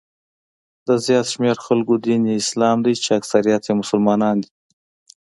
د زیات شمېر خلکو دین یې اسلام دی چې اکثریت یې مسلمانان دي.